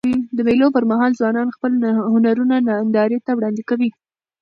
د مېلو پر مهال ځوانان خپل هنرونه نندارې ته وړاندي کوي.